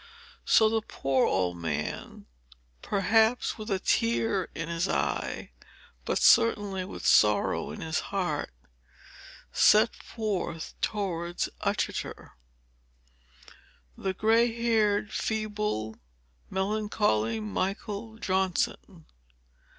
So the poor old man (perhaps with a tear in his eye, but certainly with sorrow in his heart) set forth towards Uttoxeter. The gray haired, feeble, melancholy Michael Johnson!